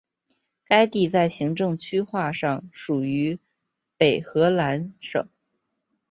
该地在行政区划上属于北荷兰省。